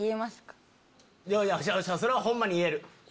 それはホンマに言える。